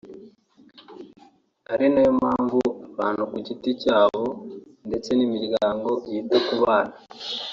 Ari nayo mpamvu abantu ku giti cyabo ndetse n’imiryango yita ku ban